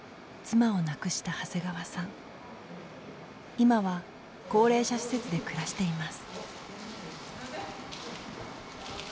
今は高齢者施設で暮らしています。